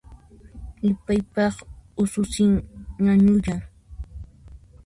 Ipaypaq ususin ñañuyan